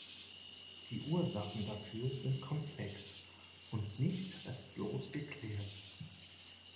Die Ursachen dafür sind komplex und nicht restlos geklärt.